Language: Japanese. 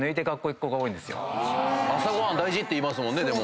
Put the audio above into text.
朝ご飯大事っていいますもんね。